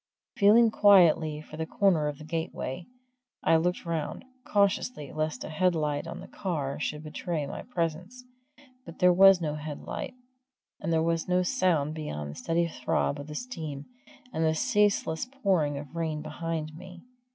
Feeling quietly for the corner of the gateway, I looked round, cautiously, lest a headlight on the car should betray my presence. But there was no headlight, and there was no sound beyond the steady throb of the steam and the ceaseless pouring of the rain behind me.